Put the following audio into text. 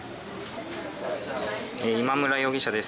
今村容疑者です。